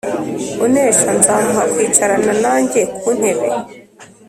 Unesha nzamuha kwicarana nanjye ku ntebe